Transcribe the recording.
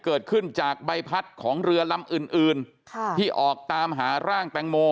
เกิดขึ้นจากใบพัดของเรือลำอื่นอื่นที่ออกตามหาร่างแตงโม